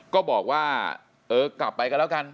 ก็บอกว่าเออกลับไปกันแล้วกัน